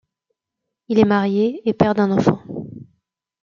Il est marié et père d'un enfant.